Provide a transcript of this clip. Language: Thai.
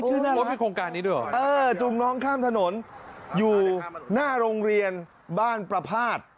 ชื่อน่ารักนะจูงน้องข้ามถนนอยู่หน้าโรงเรียนบ้านประภาษฐ์